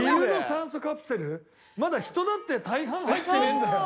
まだ人だって大半入ってねえんだよ。